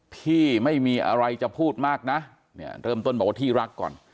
พี่ไม่มีอะไรจะพูดมากนะเนี่ยเริ่มต้นบอกว่าพี่รักก่อน